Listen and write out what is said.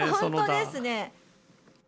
本当ですね。